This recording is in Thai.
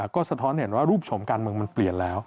ก็สะท้อนเห็นว่ารูปชมการเมืองมันเปลี่ยนแล้ว